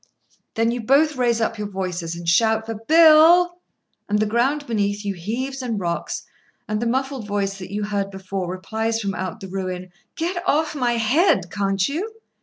Then you both raise up your voices and shout for "Bill!" and the ground beneath you heaves and rocks, and the muffled voice that you heard before replies from out the ruin: "Get off my head, can't you?"